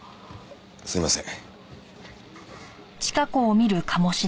すいません。